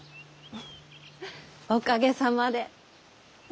おかげさまで。